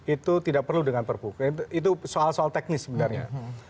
itu tidak perlu dengan perpuk itu soal soal teknis sebenarnya